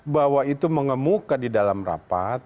bahwa itu mengemuka di dalam rapat